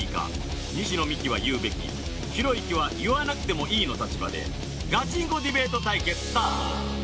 西野未姫は言うべきひろゆきは言わなくてもいいの立場でガチンコディベート対決スタート！